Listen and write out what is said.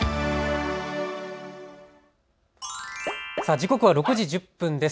時刻は６時１０分です。